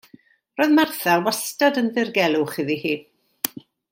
Roedd Martha wastad yn ddirgelwch iddi hi.